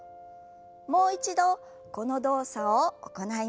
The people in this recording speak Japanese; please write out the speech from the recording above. もう一度この動作を行います。